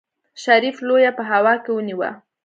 شريف لېوه په هوا کې ونيو.